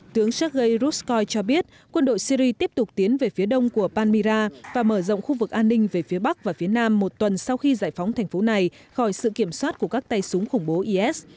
tướng sergei ruskoy cho biết quân đội syri tiếp tục tiến về phía đông của panira và mở rộng khu vực an ninh về phía bắc và phía nam một tuần sau khi giải phóng thành phố này khỏi sự kiểm soát của các tay súng khủng bố is